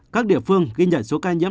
các địa phương ghi nhận số ca nhiễm